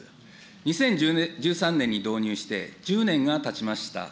２０１３年に導入して、１０年がたちました。